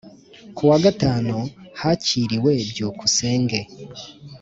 Ku wa gatanu Hakiriwe Byukusenge